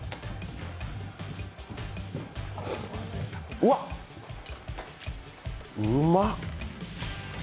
うわ、うまっ。